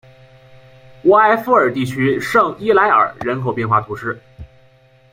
沃埃夫尔地区圣伊莱尔人口变化图示